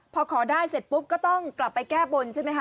พอขอได้เสร็จปุ๊บก็ต้องกลับไปแก้บนใช่ไหมคะ